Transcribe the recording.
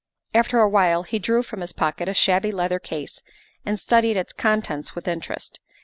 After a while he drew from his pocket a shabby leather case and studied its contents with interest.